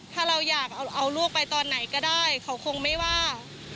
ถ้าเราอยากเอาลูกไปตอนไหนก็ได้เขาคงไม่ว่า